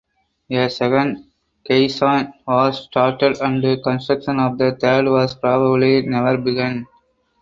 A second caisson was started and construction of the third was probably never begun.